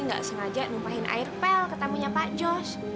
nggak sengaja numpahin air pel ke tamunya pak jos